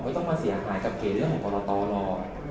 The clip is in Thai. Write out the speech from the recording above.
ไม่ต้องมาเสียหายกับเก๋เรื่องของของเราตลอด